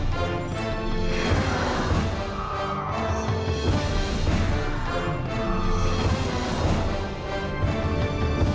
โปรดติดตามตอนต่อไป